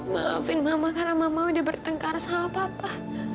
maafin mama karena mama sudah bertengkar sama papa